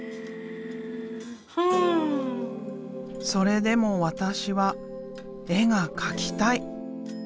それでも私は絵が描きたい。